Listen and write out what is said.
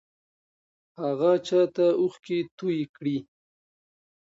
هغه چا ته اوښکې توې کړې؟